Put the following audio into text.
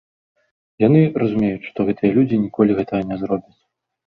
Яны разумеюць, што гэтыя людзі ніколі гэтага не зробяць.